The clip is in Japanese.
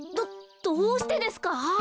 どどうしてですか？